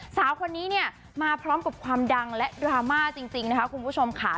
สาวคนนี้เนี่ยมาพร้อมกับความดังและดราม่าจริงนะคะคุณผู้ชมค่ะ